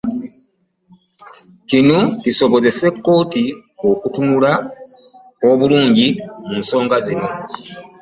Kino kisobozese kkooti okutunula obulungi mu nsonga zino